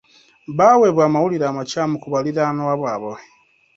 Baaweebwa amawulire amakyamu ku baliraanwa baabwe.